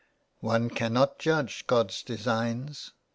" One cannot judge God's designs.